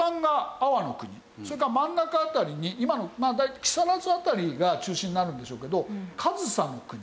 それから真ん中辺りに今の木更津辺りが中心になるんでしょうけど上総国。